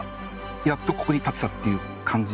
やっとここに立てたっていう感じですね。